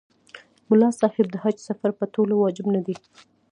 ملا صاحب د حج سفر په ټولو واجب نه دی.